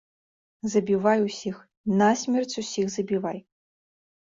Забівай усіх, насмерць усіх забівай!